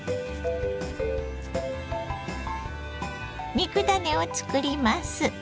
肉ダネを作ります。